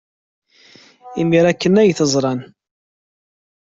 Imir-a kan ay t-ẓran.